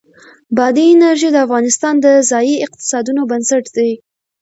بادي انرژي د افغانستان د ځایي اقتصادونو بنسټ دی.